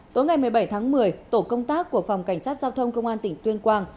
tối ngày một mươi bảy tháng một mươi tổ công tác của phòng cảnh sát giao thông công an tỉnh tuyên quang